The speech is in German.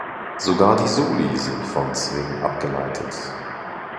Sogar die Soli sind von Swing abgeleitet.